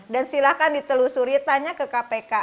dan silahkan ditelusuri tanya ke kpk